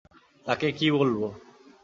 তাকে কী বলবো?